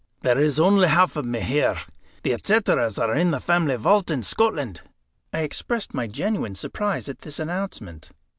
"There is only half of me here the etceteras are in the family vault in Scotland." I expressed my genuine surprise at this announcement.